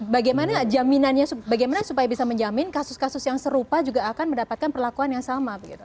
bagaimana jaminannya bagaimana supaya bisa menjamin kasus kasus yang serupa juga akan mendapatkan perlakuan yang sama